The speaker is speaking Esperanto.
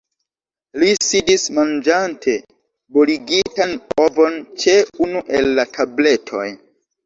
Li sidis manĝante boligitan ovon ĉe unu el la tabletoj.